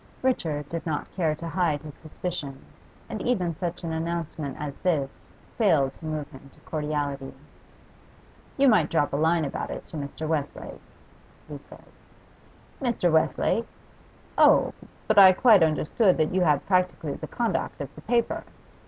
Richard did not care to hide his suspicion, and even such an announcement as this failed to move him to cordiality. 'You might drop a line about it to Mr. Westlake,' he said. 'Mr. Westlake? Oh! but I quite understood that you had practically the conduct of the paper.